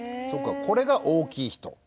そうかこれが大きい人。